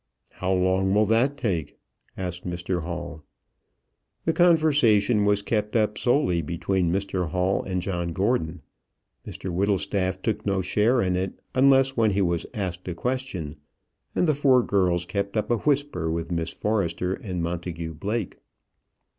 "How long will that take?" asked Mr Hall. The conversation was kept up solely between Mr Hall and John Gordon. Mr Whittlestaff took no share in it unless when he was asked a question, and the four girls kept up a whisper with Miss Forrester and Montagu Blake.